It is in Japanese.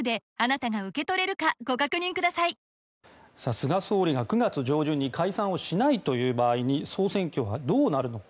菅総理が９月上旬に解散をしないという場合に総選挙はどうなるのか。